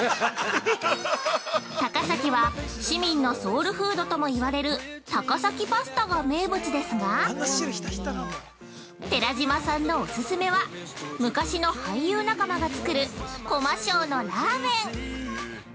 ◆高崎は、市民のソウルフードとも言われる高崎パスタが名物ですが、寺島さんのオススメは、昔の俳優仲間が作る、こましょうのラーメン！